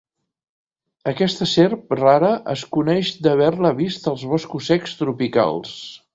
Aquesta serp rara es coneix d'haver-la vist als boscos secs tropicals.